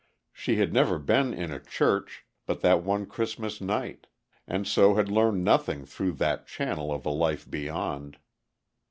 She had never been in a church but that one Christmas night, and so had learned nothing through that channel of a life beyond.